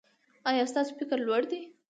ایا ستاسو فکر لوړ دی؟